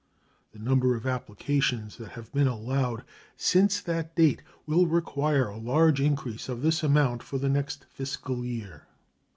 The number of applications that have been allowed since that date will require a large increase of this amount for the next fiscal year.